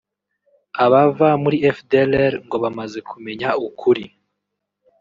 Abava muri fdlr ngo bamaze kumenya ukuri